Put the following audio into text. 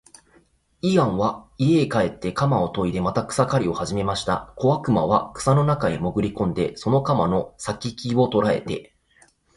イワンは家へ帰って鎌をといでまた草を刈りはじめました。小悪魔は草の中へもぐり込んで、その鎌の先きを捉えて、